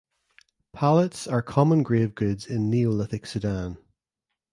Palettes are common grave goods in Neolithic Sudan.